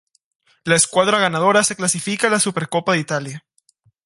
La escuadra ganadora se clasifica a la Supercopa de Italia.